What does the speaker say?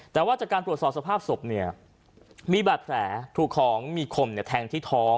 แต่ว่าจากการตรวจสอบสภาพศพเนี่ยมีบาดแผลถูกของมีคมแทงที่ท้อง